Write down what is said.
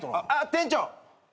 店長。